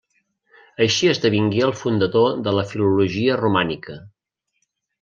Així esdevingué el fundador de la filologia romànica.